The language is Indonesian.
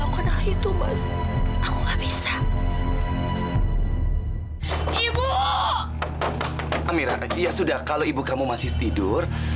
kalau ibu kamu masih tidur